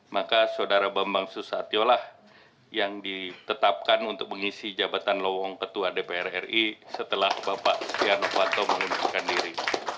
maka saudara bambang susatyo lah yang ditetapkan untuk mengisi jabatan lowong ketua dpr ri setelah bapak setia novanto mengundurkan diri